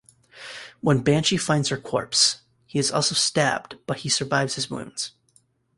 When Banshee finds her corpse, he is also stabbed but he survives his wounds.